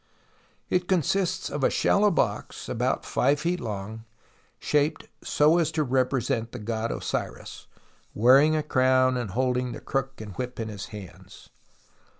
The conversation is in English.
It consists of a shallow box about 5 ft. long, shaped so as to represent the god Osiris, wearing a crown and holding the crook and whip in his hands.